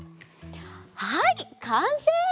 はいかんせい！